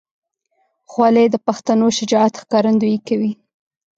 خولۍ د پښتنو شجاعت ښکارندویي کوي.